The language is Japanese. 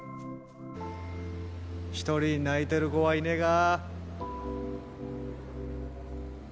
一人泣いてる子はいねが。